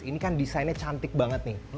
ini kan desainnya cantik banget nih